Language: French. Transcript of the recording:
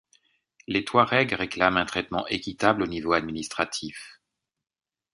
Les Touaregs réclament un traitement équitable au niveau administratif.